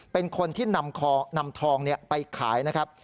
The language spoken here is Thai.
เป็นคนที่นำทองไปขายนะครับ